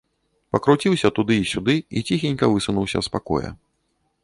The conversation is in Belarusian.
Пакруціўся туды і сюды і ціхенька высунуўся з пакоя.